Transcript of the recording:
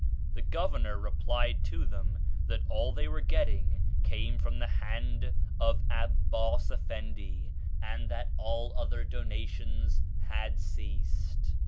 The Governor replied to them that all they were getting came from the hand of Abbas Effendi and that all other donations had ceased.